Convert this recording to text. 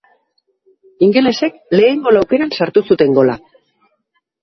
Ingelesek lehen gol aukaeran sartu zuten gola.